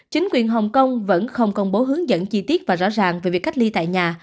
chính quyền hồng kông vẫn không công bố hướng dẫn chi tiết và rõ ràng về việc cách ly tại nhà